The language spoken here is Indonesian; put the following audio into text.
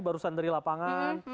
barusan dari lapangan